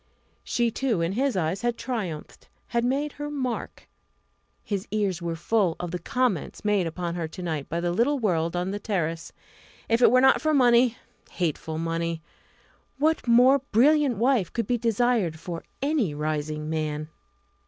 She, too, in his eyes, had triumphed had made her mark. His ears were full of the comments made upon her to night by the little world on the terrace. If it were not for money hateful money! what more brilliant wife could be desired for any rising man?